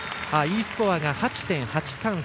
Ｅスコアが８．８３３。